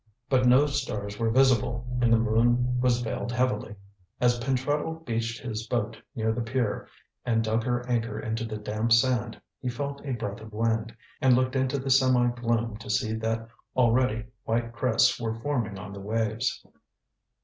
But no stars were visible, and the moon was veiled heavily. As Pentreddle beached his boat near the pier, and dug her anchor into the damp sand, he felt a breath of wind, and looked into the semi gloom to see that already white crests were forming on the waves.